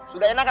sudah enak kan